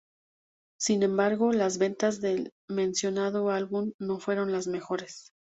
Sin embargo, las ventas del mencionado álbum no fueron las mejores.